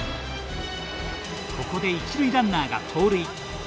ここで一塁ランナーが盗塁。